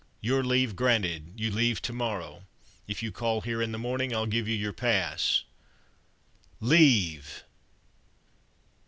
"Your leave granted; you leave to morrow. If you call here in the morning, I'll give you your pass." LEAVE!!